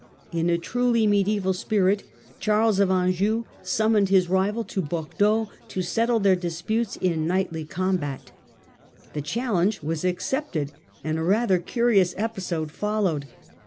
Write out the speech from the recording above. In a truly medi aeval spirit, Charles of Anjou summoned his rival to Proposed Bordeaux to settle their disputes in knightly combat : Sie'it *^^ challenge was accepted, and a rather curious episode Bordeaux followed.